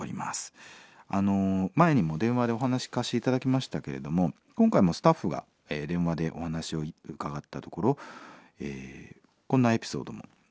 前にも電話でお話聞かせて頂きましたけれども今回もスタッフが電話でお話を伺ったところこんなエピソードも。